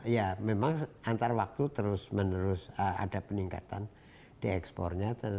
ya memang antar waktu terus menerus ada peningkatan di ekspornya